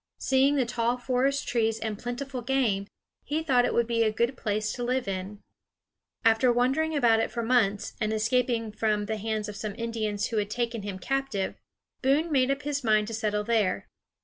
Seeing the tall forest trees and plentiful game, he thought it would be a good place to live in. After wandering about it for months, and escaping from the hands of some Indians who had taken him captive, Boone made up his mind to settle there.